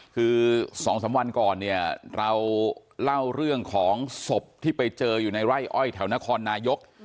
คือ๒๓วันก่อนเนี่ยเราเล่าเรื่องของศพที่ไปเจออยู่ในไร่อ้อยแถวนครนายก